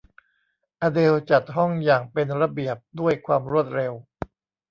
อเดลล์จัดห้องอย่างเป็นระเบียบด้วยความรวดเร็ว